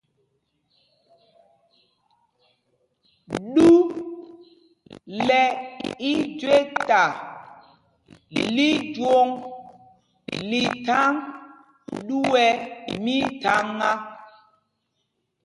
Ɗú lɛ́ íjüéta lí jwǒŋ lí thaŋ ɗú ɛ mítháŋá.